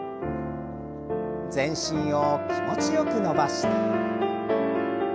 全身を気持ちよく伸ばして。